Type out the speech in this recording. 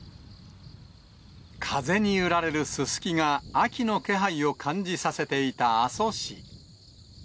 風に揺られるススキが秋の気配を感じさせていた阿蘇市。